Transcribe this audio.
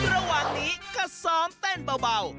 ระหว่างนี้ก็ซ้อมเต้นเบา